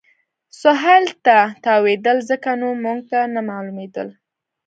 سهېل ته تاوېدل، ځکه نو موږ ته نه معلومېدل.